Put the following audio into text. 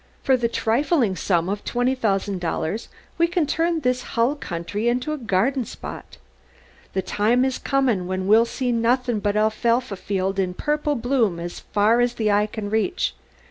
For the trifling sum of twenty thousand dollars we can turn this hull country into a garden spot! The time is comin' when we'll see nothin' but alfalfa field in purple bloom as fur as the eye can reach!